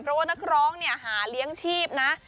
เพราะว่านักร้องเนี่ยหาเลี้ยงชีพนะ